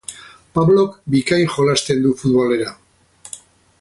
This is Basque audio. Pablok bikain jolasten du futbolera.